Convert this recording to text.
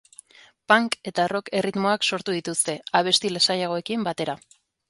Punk eta rock erritmoak sortu dituzte, abesti lasaiagoekin batera.